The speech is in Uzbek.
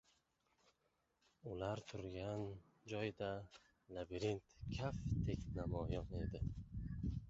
Ular turgan joydan labirint kaftdek namoyon edi.